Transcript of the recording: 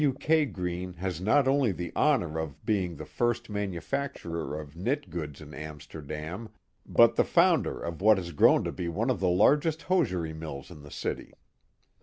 W. K. Greene Has not only the honor of being the first manufacturer of knit goods in Amsterdam, but the founder of what has grown to be one of the largest hosiery mills in the city.